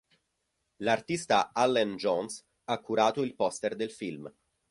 L'artista Allen Jones ha curato il poster del film.